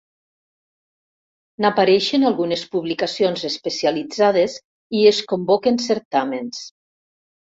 N'apareixen algunes publicacions especialitzades i es convoquen certàmens.